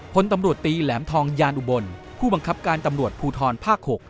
พลตำรวจตีแหลมทองยานอุบลผู้บังคับการตำรวจภูทรภาค๖